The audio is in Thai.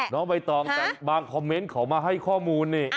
น้องใบตองแต่บางคอมเมนต์เขามาให้ข้อมูลนี่